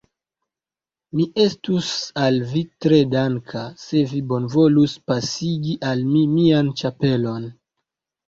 Mi estus al vi tre danka, se vi bonvolus pasigi al mi mian ĉapelon.